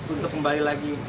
untuk kembali lagi